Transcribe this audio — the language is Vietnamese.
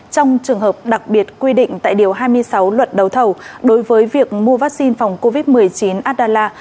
trong trường hợp đặc biệt quy định tại điều hai mươi sáu luật đấu thầu đối với việc mua vaccine phòng covid một mươi chín addallah